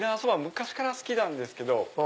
昔から好きなんですけど。